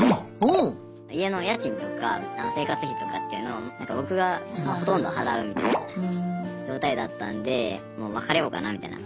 家の家賃とか生活費とかっていうのを僕がほとんど払うみたいな状態だったんでもう別れようかなみたいな。